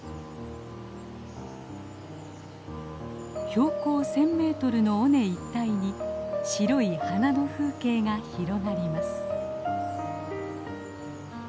標高１，０００メートルの尾根一帯に白い花の風景が広がります。